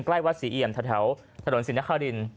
ใกล้วัดศรีเอี่ยมแถวถนนศรีนคริน